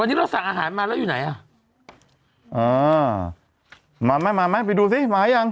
วันนี้เราสั่งอาหารมาแล้วอยู่ไหนอ่ะอ่ามาไหมมาไหมไปดูสิมายัง